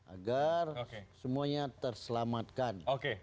agar semuanya terselamatkan